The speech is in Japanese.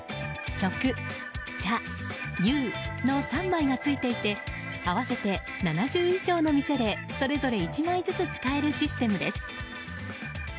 食・茶・遊の３枚が付いていて合わせて７０以上の店でそれぞれ１枚ずつ使えるシステムです。